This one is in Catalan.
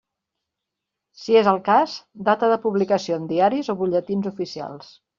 Si és el cas, data de publicació en diaris o butlletins oficials.